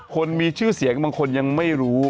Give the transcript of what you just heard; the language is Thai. คนมีชื่อเสียงบางคนยังไม่รู้